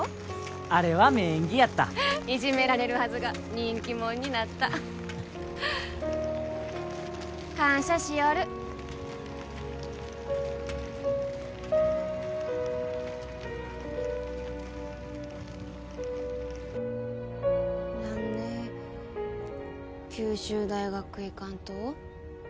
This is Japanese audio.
あれは名演技やったいじめられるはずが人気者になった感謝しよる何で九州大学へ行かんと？